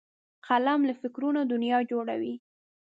قلم له فکرونو دنیا جوړوي